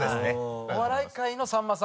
お笑い界のさんまさん？